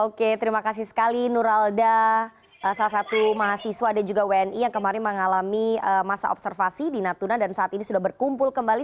oke terima kasih sekali nur alda salah satu mahasiswa dan juga wni yang kemarin mengalami masa observasi di natuna dan saat ini sudah berkumpul kembali